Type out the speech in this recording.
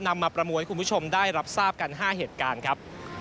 นำมาประมวลให้คุณผู้ชมได้รับทราบกัน๕เหตุการณ์ครับ